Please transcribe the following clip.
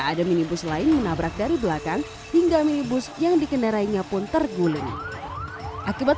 ada minibus lain menabrak dari belakang hingga minibus yang dikendarainya pun terguling akibat